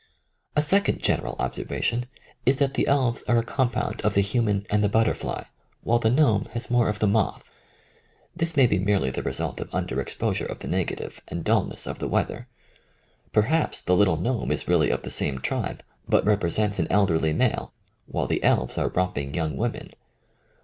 A second general observation is that the elves are a compound of the human and the butterfly, while the gnome has more of the moth. This may be merely the result of under exposure of the negative and dullness of the weather. Perhaps the little gnome is really of the same tribe, but represents an elderly male, while the elves are romping young women.